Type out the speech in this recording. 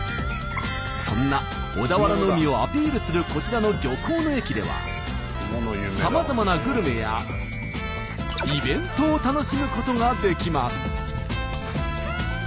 そんな小田原の海をアピールするこちらの漁港の駅ではさまざまなグルメやイベントを楽しむことができます。